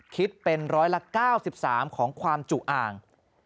คิดเป็น๑๙๓ของความจุอ่าง